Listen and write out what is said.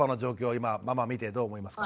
今ママ見てどう思いますか？